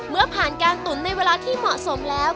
เมื่อผ่านการตุ๋นในเวลาที่เหมาะสมแล้ว